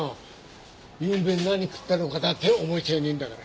ゆうべ何食ったのかだって覚えちゃいねえんだから。